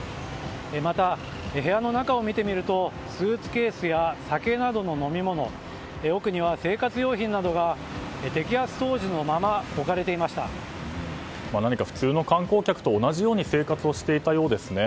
また、部屋の中を見てみるとスーツケースや酒などの飲み物奥には生活用品などが摘発当時のまま何か普通の観光客と同じように生活をしていたようですね。